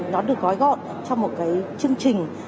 nó được gói gọn cho một cái chương trình